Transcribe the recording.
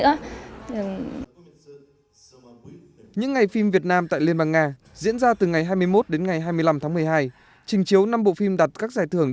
điện ảnh nói riêng là những ngày phim việt nam tại liên bang nga sẽ tăng cường hơn nữa quan hệ hợp tác giữa hai nước trong lĩnh vực văn hóa nói chung và điện ảnh nói riêng